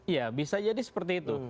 ya bisa jadi seperti itu